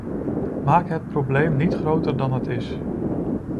Maak het probleem niet groter dan het is.